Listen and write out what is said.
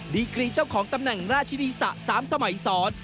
ดีกรีเจ้าของตำแหน่งราชินีสะ๓สมัยสอน